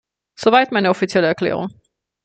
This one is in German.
Soweit meine offizielle Erklärung.